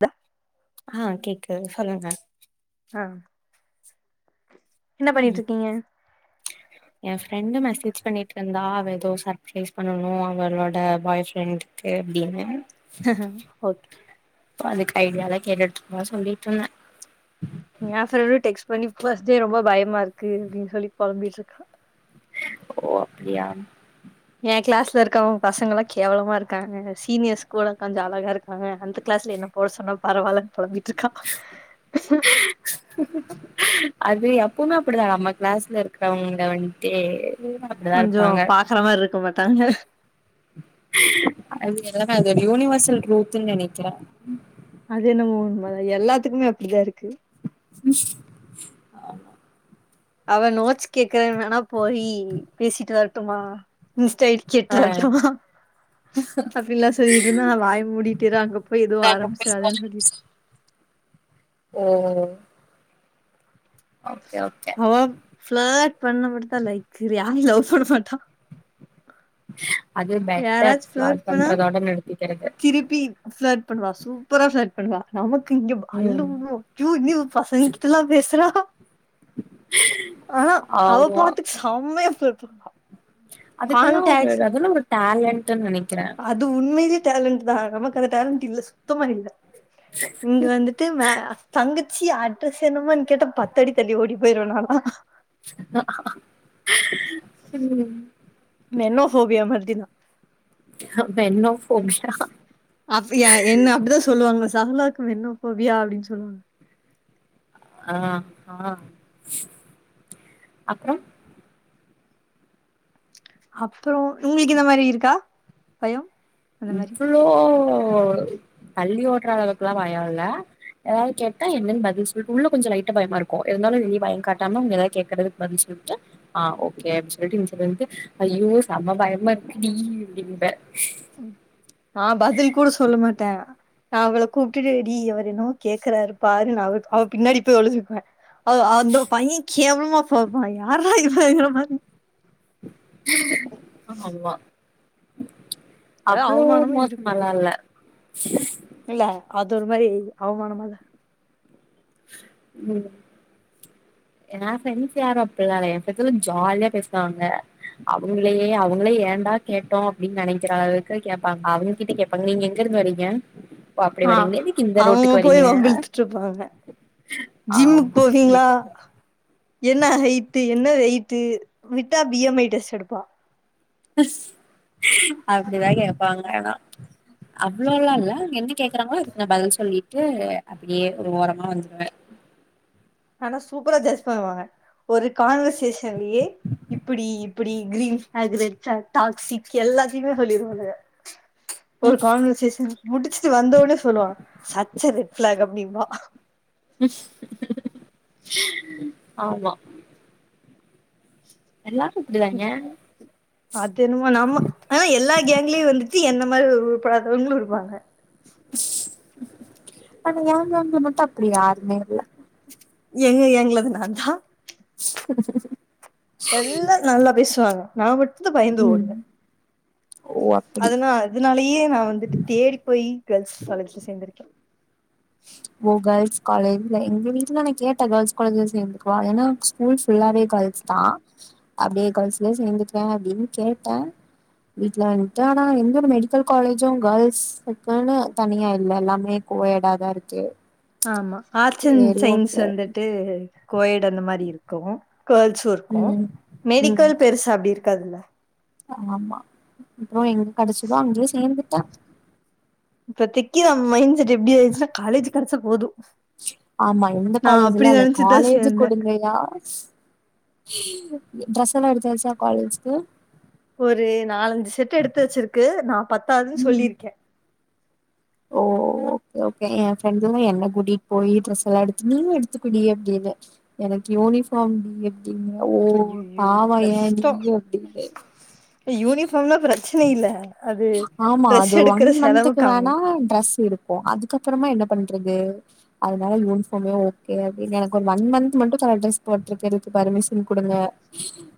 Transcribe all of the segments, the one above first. வ ஆ கேக்குது சொல்லுங்க ஆ என்ன பண்ணிட்ருக்கீங்க ஏ ஃப்ரெண்டு மெசேஜ் பண்ணிட்டு இருந்தா அவ ஏதோ சர்ப்ரைஸ் பண்ணனு அவளோட பாய் ஃப்ரெண்ட் க்கு அப்டின்னு ஓகே ஐடியா தா கேட்டுட்ருக்மோ சொல்லிட்ருந்த ஏ ஃப்ரண்டும் டெக்ஸ்ட் பண்ணி ஃபஸ்ட் டே ரொம்ப பயமா இருக்கு அப்டின்னு சொல்லி பொழம்பிட்டு இருக்கா ஓ அப்டியா ஏ கிளாஸ்ல இருக்கவங்க பசங்கள்லா கேவலமா இருக்காங்கங்க சீனியர்ஸ் கூட கொஞ்சோ அழகா இருக் ஆஹா அந்த கிளாஸ்ல என்ன போவ சொன்ன பரவால்லன் பொழம்பிட் ட்ருக்கா அது எப்போமே அப்டிதா நம்ம கிளாஸ்ல இருக்றவங்க வந்ட்டே கொஞ்சோ பாக்கற மார்ருக்க மாட்டாங்க அது எல்லாமே அது ஒரு யூனிவர்செல் ட்ரூத்துன் நெனைக்கிற அது என்னமோ உண்ம தா எல்லாத்துக்குமே அப்டிதா இருக்கு ம் ஆமா அவ நோட்ஸ் கேக்குறேன்னு வேணா போயி பேசிட்டு வரட்டுமா தெய்ட் கிட்ட ஆ வந்துருமா அப்பில்லா சொல்லிட்டு இருந்தா நா வாய மூடிட்டு இரு அங்க போய் எதுவு ஆரம்பிச்சுடாதேன்னு சொல்லிட்ட ஓ ஓகே ஓகே அவ ஃபிளட் பண்ண மட்டு தா லாய்க்கு யார்யு லவ் பண்ண மாட்டா அது பெட்டர் ஃப்ராட் பண்றதோட நிறுத் திரிப்பி ஃபிளட் பண்ணுவா சூப்பரா ஃபிளட் பண்ணுவா நமக் க் இங்க ப் அல்லு ம் உடு க்யூ நூ பசங் கிட்டலா பேசுறா ஆனா அவ ஆமா பாத்துக்கு சம்மையா [unintelligible] அதுக்கெல்லா ஒரு அதுல்லா ஒரு டேலன்ட்ன் நெனைக் அது உண்மையிலே டேலண்ட்தா நமக்கு அந்த டேலண்ட் இல்ல சுத்தமா இல்ல இங்கு வந்துட்டு வெ தங்கச்சி அட்ரஸ் என்னமான் கேட்டா பத்தடி தள்ளி ஓடி போயிருவ நாலா ம் நெனோபோஃபியா மாதிரி தா பென்னோபோபியா அப்டியா என்ன அப்டிதா சொல்லுவாங்க சர்மிளாக்கு மென்னோபோஃபியா அப்டின்னு சொல்லுவாங்க ஆ ஆ அப்றோ அப்பறோ உங்களுக்கு இந்த மாரி இருக்கா பயோ அந்த மாரி இவ்ளோ பல்லி ஓட்ற அளவுக்குல்லா பயோ இல்ல ஏதாவது கேட்டா என்னன்னு பதில் சொல்லிட்டு உள்ள கொஞ்சோ லைட்டா பயமா இருக்கு இருந்தாலு வெளிய பயம் காட்டாம அவுங்க எதாது கேக்குறதுக்கு பதில் சொல் ட்டு ஆ ஓகே அப்டின்னு சொல்லிட்டு இந்த சைடு வந்து ஐயோ செம பயமா இருக்குடி அப்டிம்பே ஆ பதில் கூட சொல்ல மாட்டே நா அவள கூப்டுட்டு டீ இவரு என்னவோ கேக்குறாரு பாரு நா அவ அவ பின்னாடி போய் ஒழிஞ்சிக்குவே ஓ அந்த பைய கேவலமா பாப்பா யார்ரா இவங்கிற மாரி ஆமா அதா அவ்ளோ அவமானமா இருக்கு மோசமால்லா இல்ல இல்ல அது ஒரு மாரி அவமானமாதா ம் ஏ ஃப்ரெண்ட்ஸ் யாரு அப்டில்லா இல்ல ஏ ப்ரெண்ட்ஸ் எல்லா ஜாலியா பேசுவாங்க அவுங்களயே அவங்களே ஏண்டா கேட்டோ அப்படின்னு நெனைக்கிற அளவுக்கு கேப்பாங்க அவுங்க கிட்ட கேப்பாங்க நீங்க எங்க இருந்து வர்ரீங்க ஆ அவுங்க போய் வம்பிழுத்துட்டுருப்பாங்க ஜிம்முக்கு ஆமா அப்டி போவீங்களா இருக்கு என்ன ஹைட்டு என்ன வெயிட்டு விட்டா பி எம் ஐ டெஸ்ட் எடுப்பா அப்டிதா கேப்பாங்க ஆனா அவ்ளோளா இல்ல என்ன கேக்குறாங்களோ அதுக்கு நா பதில் சொல்லிட்டு அப்டியே ஒரு ஓரமா வந்துருவே. ஆனா சூப்பரா ஜட்ஜ் பண்ணுவாங்க ஒரு கான்வர்சேஷன்லயே இப்டி இப்டி green flag red flag toxic எல்லா எல்லாத்தயுமே சொல்லிருவானுங்க. ஒரு கான்வர்சேஷன் முடிச்சிட்டு வந்தவுடனே சொல்லுவாங்க சச்ச ரெட் ஃபிளாக் முடியுமா ஆமா எல்லாரு இப்டிதாங்க அது என்னமோ நம்ம ஆ எல்லா கேங்க்லயு வந்துட்டு என்ன நம்ம மாரி ஒரு உருப்படாதவங்களு இருப்பாங்க ஆனா ஏ கேங்ல மட்டு அப்டி யாருமே இல்ல எங்க எங்களது நா தா சரி சரி சரி எல்லா நல்லா பேசுவாங்க நா மட்டு தா பயந்து ம் ஓடுவே ஓ அப்டி அதுனா அதுனாலயே நா வந்துட்டு தேடி போய் கேள்ர்ஸ் காலேஜ்ல சேந்திருக்கே ஓ கேர்ள்ஸ் காலேஜ்ல எங்க வீட்ல நா கேட்ட கேள்ர்ஸ் காலேஜ்ல சேந்துக்குவா ஏன்னா ஸ்கூல் ஃபுல்லாவே கேள்ர்ஸ் தா அப்டியே காலேசுலயே சேந்துக்குவே அப்டின்னு கேட்டே வீட்ல வன்ட்டு ஆனா எந்த ஒரு மெடிக்கல் காலேஜு கேள்ர்ஸ்க்குன்னு கோயேட்டாத இருக்கு ஆமா ஆர்ட்ஸ் அண்ட் சேரி சயின்ஸ் ஓகே வந்துட்டு கோயேட் அந்த மாரி இருக்கு கேள்ர்ஸு இருக்கு ம் ம் மெடிக்கல் பெருசா அப்டி இருக்காதுல்ல ஆமா அப்றோ எங்க கிடைச்சதோ அங்கயே சேந்துட்டே இப்பதிக்கி நம்ம மைண்ட் செட் எப்டி ஆயிருச்சினா காலேஜ் கெடச்சா போது ஆமா எந்த காலேஜ்ல்லா இல்ல நெனச்சு தான் காலேஜ் சேந்தேன். கொடுங்கையா ட்ரெஸ் எல்லா எடுத்தாச்சா காலேஜ்க்கு ஒரு நாலஞ்சி செட் எடுத்து வச்சிருக்கு நா பத்தாதுன்னு சொல்லிருக்கே ஓ ஓகே ஓகே ஏ ஃப்ரெண்டுல்லா என்ன கூட்டிட்டு போய் ட்ரெஸ் எல்லா எடுத்து நீயு எடுத்துக்கோடி அப்டின் எனக்கு யூனிஃபார்ம் டீ அப் ஓ ஐய்யய்யோ! பாவா ஏன்டீ கஷ்டம். அப்டின்னே யூனிஃபார்ம்லாம் பிரச்சன இல்ல. அது ஆமா ட்ரெஸ் அது ஒன் எடுக்குற செலவு மந்த்துக்கு கம்மி. வேனா டிரெஸ் இருக் கு அதுக்கப்றமா என்ன பண்றது அதனால யூனிஃபார்மே ஓகே அப்டினு எனக்கு ஒரு ஒன் மந்த் மட்டு கலர் டிரஸ் போட்றக்கு பர்மிஷன் குடுங்க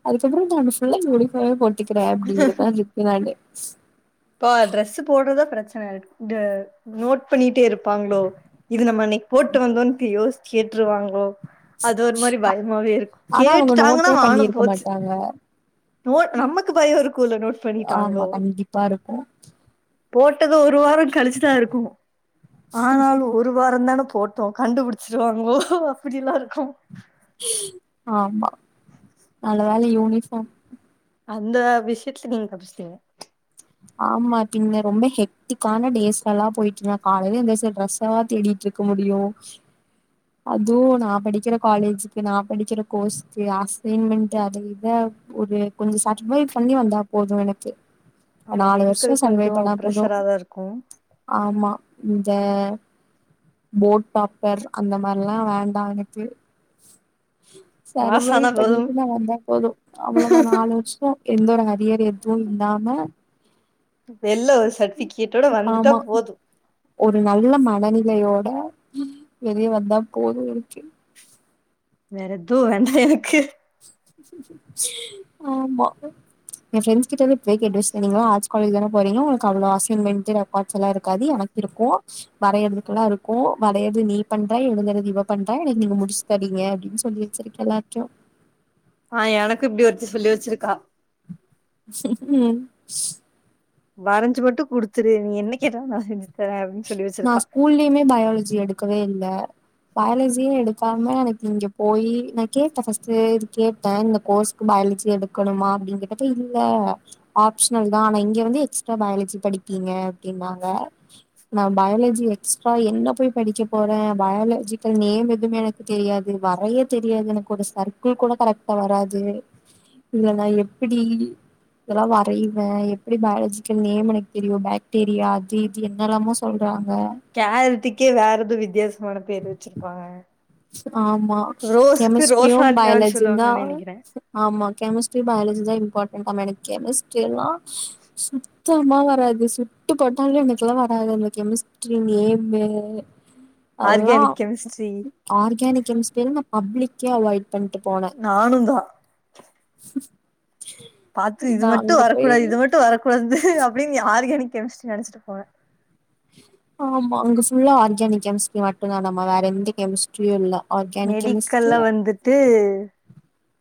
அதுக்கப்றோ நானு ஃபுல்லா யூனிஃபார்மே போட் டுகிறே அப்டிங்கற மாரி இருப்பே நானு ஆ ட நோட் பண்ணிட்டே இருப்பாங்ளோ இது நம்ப அன்னிக் போட்டு வந்தோன்ட்டு யோசிட் ருவாங்ளோ அது ஒரு மாரி பயமாவே இருக்கு ஆனா அவங்க கேட்டுட்டாங்கனா நோட்டே மானோ பண்ணிருக்க போச்சி மாட்டாங்க நோட் நம்மக்கு பய இருக்குல நோட் ஆமா பண்ணிட்டாங்களோ கண்டிப்பா இருக்கு போட்டது ஒரு வாரோ கழிச்சுதா இருக்கு ஆனாலு ஒரு வாரந் தானே போட்டோ கண்டுபுடிச்சிருவாங்களோ அப்டிலா இருக்கு ஆமா நல்ல வேல யூனிஃபார்ம் அந்த விஷ்யத்துல நீங்க தப்பிச்சிடீங்க ஆமா பின்ன ரொம்ப ஹெக்டிக்கான டேஸ்லெல்லா பொயிட்டு இருந்தே காலையில எந்திரிச்சி டிரெஸ் எல்லா தேடிட்ருக் க முடியு அதுவு நா படிக்கிற காலேஜுக்கு நா படிக்கிற கோர்ஸுக்கு அசைன்மெண்ட்டு அது இத ஒரு கொஞ்சோ [unintelligible] பண்ணி வந்தா போது எனக்கு ஆமா நாலு வருஷோ மெடிக்கல் சர்வே கொஞ்சோ பண்ணா போது ப்ரெஷரா தா இருக்கு ஆமா இந்த போட் டாப்பர் அந்த மார்லா வேண்டா எனக்கு பாஸ் சர்வைவ் ஆனா போதும் பண்ணிட்டு நா வந்தா போது அவ்ளோதா நாலு வர்ஷோ எந்த ஒரு அரியர் எதுவு இல்லாம வெள்ல ஒரு சர்ட்டிவிகேட்டோட வந்துட்டா ஆமா போது ஒரு நல்ல மனநிலையோட வெளிய வந்தா போது எனக்கு வேற எத்துவு வேண்டா எனக்கு ஆமா ஏ ஃப்ரெண்ட்ஸ் கிட்டலா இப்பவே கேட்டு வச்சிட்டே நீங்கலா ஆர்ட்ஸ் காலேஜ் தானே போறீங்க ஒங்ளுக்கு அவ்ளோ அசைன்மென்ட்டு ரெக்கார்ட்ஸ் எல்லா இருக்காது எனக் இருக்கு வரையர்துக்கெல்லா இருக்கு வரையறது நீ பண்ற எழுதுறது இவ பண்ற நீங்க இங்க முடிச்சி தரிங் க அப்டின்னு சொல்லி வச்சிருக்கே எல்லார்டையு ஆ எனக்கு இப்டி ஒருத்தி சொல்லி வச்சிருக்கா ம் வரஞ்சி மட்டு குடுத்துரு நீ என்ன கேட்டாலு நா செஞ்சி தரே அப்டினு நா ஸ்கூல்லேயுமே பயாலஜி எடுக்கவே இல்ல பயாலஜியே எடுக்காம எனக்கு இங்க போயி நா கேட்டே ஃபர்ஸ்ட்டு இது கேட்டே இந்த கோர்ஸுக்கு பயா லஜி எடுக்கனுமா அப்டீனு கேட்டப்ப இல்ல ஆப்ஷ்னல் தா ஆனா இங்க வந்து எக்ஸ்ட்ரா பயாலஜி படிப்பி ங்க அப்டினாங்க நா பயாலஜி எக்ஸ்ட்ரா என்ன போய் படிக்க போறே பயாலஜிக்கல் நேம் எதுமே எனக்கு தெரியாது வ ரைய தெரியாது எனக்கு ஒரு சர்க்குள் கூட கரெக்டா வராது இதுல நா எப்டி இதெல்லா வரைவே எப்டி பயாலஜிக்கல் நேம் எனக்கு தெரியு பாக்டீரியா அது இது என்னலாமோ சொ கேரட்டுக்கே வேற எதோ வித்தியாசமான பேரு வச்சிருப்பாங்க ஆமா ரோஸ்க்கு கெமிஸ்ட்ரியு ரோசாலியான்னு பயாலஜியுந்தா சொல்லுவாங்கன்னு நெனைக்கிறே ஆமா கெமிஸ்ட்ரி பயா லஜிதா இம்பார்ட் டனாமா எனக் கெமிஸ்ட்ரி எல்லா சுத்தமா வராது சுட்டு போட்டாலு எனக்கெல்லா வராது நம்ளுக்கு கெமிஸ்ட்ரி நேம்மு அதெல்லா ஆர்கானிக் கெமிஸ்ட்ரி எனக்கு [unintelligible] பப்ளிக்கே அவாய்ட் பண்ட்டு போனே நானுந்தா பாத்து இது இதா மட்டு அங்க போய் வரக்கூடாது இது மட்டு வரக்கூடாது அப்டீன் யாரு ஆர்கானிக் கெமிஸ்ட்ரி நெனச்சிட்டு போனே ஆமா அங்க ஃபுல்லா ஆர்கானிக் கெமிஸ்ட்ரி மட்டு தானாமா வேற எந்த கெமிஸ்ட்ரியு இல்ல ஆர்கானிக் மெடிக்கல்ல கெமிஸ்ட்ரி வந்துட்டு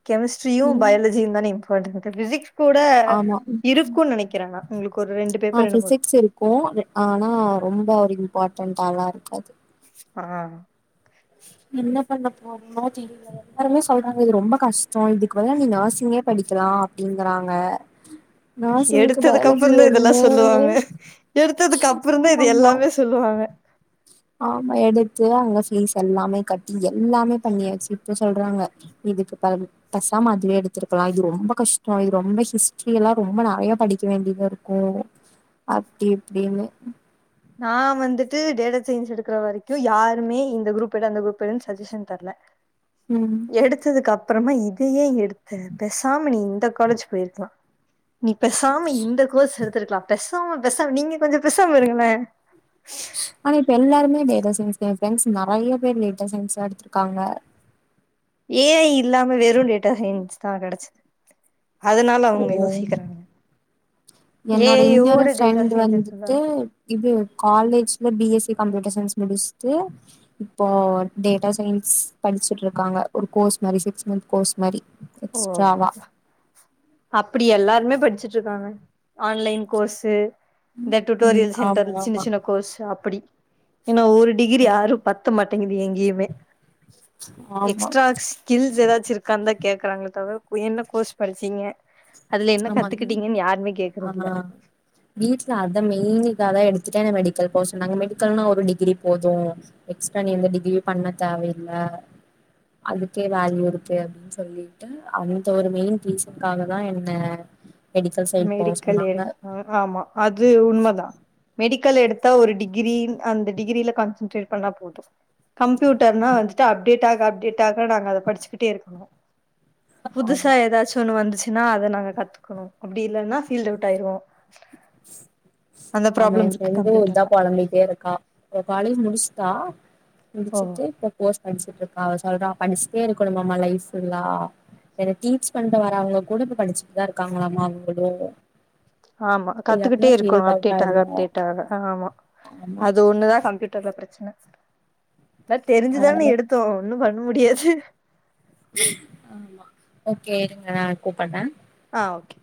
கெமிஸ்ட்ரியு ம் பயாலஜியு தானே இப் [unintelligible] கூட ஆமா இருக்குன் நெனைக்கிறே நா ஒங்ளுக்கு ஒரு ரெண்டு ஆ பேப்பர் என்னமோ இருக்கு ஃபிசிக்ஸ் ஆனா ரொம்ப ஒரு இம்பார்டன்ட்டா எல்லா இருக்காது ஆ என்னப் பண்ணப் போ ஒருமா தெரியல எல்லாருமே சொல்றாங்க இது ரொம்ப கஷ்டம் இதுக்கு பதிலா நீ நர்சிங்கே படிக்கலா அப்டின்னு ங்கறாங்க நார்சிங்கக்கு எடுத்ததுக்கு பயாலஜி அப்புறம் தான் இதெல்லாம் வேணுமே சொல்லுவாங்க எடுத்ததுக்கு அப்புறம் தான் இது ஆமா எல்லாமே சொல்லுவாங்க ஆமா எடுத்து அங்க பீஸ் எல்லாமே கட்டி எல்லாமே பண்ணியாச்சு இப்ப சொல்றாங்க இதுக்கு பலம் பெசாம அதுவே எடுத்துருக்கலா இது ரொம்ப கஷ்டோ இது ரொம்ப ஹிஸ்டரி எல்லா ரொம்ப நறைய படிக்க வேண்டியதா இருக்கும் அப்டி இப்டின்னு நான் வந்துட்டு டேட்டா செஞ்ச் எடுக்கற வரைக்கு யாருமே இந்த குரூப் எடு அந்த குரூப் எடுன்னு சஜஷன் தர்ல ம் எடுத்தது அப் அப்புறமா இதையேன் எடுத்த பேசாம நீ இந்த காலேஜ் போயிருக்கலா நீ பெசாம இந்த கோர்ஸ் எடுத்துருக்கலா பெசாம பெசாம நீங்க கொஞ்சம் பெசாம இருங்களே ஆனா இப்ப எல்லாருமே டேட்டா சயின்ஸ் டேட்டா சயின்ஸ் நறைய பேர் டேட்டா சயின்ஸ் தான் எடுத்திருக்காங்க ஏ ஐ இல்லாம வெறும் டேட்டா சயின்ஸ் தான் கடைச்சிது அதனால அவுங்க ஓ யோசிக்கிறாங்க என்னோட இன்னொரு ஏஐயோட டேட்டா ஃப்ரெண்ட் சயின்ஸ் எடுத்ததா வந்துட்டு இது காலேஜ்ல B S C computer science முடிச் ட்டு இப்போ டேட்டா சயின்ஸ் படிச்சுட்டு இருக்காங்க ஒரு கோர்ஸ் மாரி சிக்ஸ் மந்த் கோர்ஸ் மாரி ஓ எக்ஸ்ட்ராவா அப்படி எல்லாருமே படிச்சுட்டு இருக்காங்க ஆன்லைன் கோர்ஸு இந்த ம் டூட்டோரியல் சென்டர் ஆமா சின்ன ஆமா சின்ன கோர்ஸு அப்படி ஏன்னா ஒரு டிகிரி ஆறு ம் பத்த மாட்டேங்குது எங்கேயுமே ஆமா எக்ஸ்ட்ரா ஸ்கில்ஸ் ஏதாச்சு இருக்காந்தாக் கேக்குறாங்கள தவிர என்ன கோர்ஸ் படிச்சீங்க அதுல என்ன ஆமா நீ கத்துக்கிட்டீங்கன்னு யாருமே ஆ கேக்குறது இல்ல வீட்ல அத மெயினிக்காதா எடுத் துதான் மெடிக்கல் போ சொன்னாங்க மெடிக்கல்னு ஒரு டிகிரி போதும் எக்ஸ்ட்ரா நீ எந்த டிகிரி பண்ண தேவையில்ல ஆ அதுக்கே வேல்யூ இருக்கு அப்டின்னு சொல்லிட்டு அந்த ஒரு மெயின் ரீஸன்காக தான் எனக் னே மெடிக்கல் எடுக்னு ஆமா அது உண்மதா மெடிக்கல் எடுத்தா ஒரு டிகிரி அந்த டிகிரில கான்சன்ட்ரேட் பண்ணா போதும் கம்ப்யூட்டர்னா வந்துட்டு அப்டேட் ஆக அப்டேட் ஆக நாங்க அத படிச்சுக்கிட்டே இருக்கணு புதுசா ஆமா ஏதாச்சும் ஒன்னு வந்துச்சுன்னா அதை நாங்க கத்துக்கணு அப்படி இல்லன்னா ஃபீல்டு அவுட் ஆயிருவோ அந்த ஆமா ப்ராப்ளம் என் இருக்கு ப்ரெண்டு கம்ப்யூட்டர்ல இத்தான் பொழம்பிட்டே இருக்கா அவ காலேஜ் முடிச் தான் ஓ முடிச்சுட்டு இப்ப கோர்ஸ் படிச்சுட்டு இருக்கா சொல்ற படிச்சுட்டே இருக்கணும்மாமா லைஃப் புல்லா என்ன டீச் பண்ணிட்டு வராங்வங்களா கூட இப்ப படிச்சுட்டு தான் இருக்காங்களாமா அவங்களோ ஆமா கத்துக்கிட்டே இருக்கணு அப்டேட் ஆக ஆயிருவோ அப்டேட் ஆக ஆமா ஆமா அது ஒண்ணுதான் கம்பியூட் டர்ல பிரச்சன நா தெரிஞ்சுதானே அதனால எடுத்தோ ஒன்னும் பண்ண முடியாது கேளுங்க நான் கூப்பட்ரே ஆ ஓகே